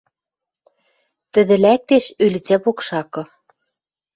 Тӹдӹ лӓктеш ӧлицӓ покшакы